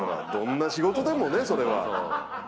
どんな仕事でもねそれは。